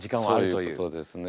そういうことですね。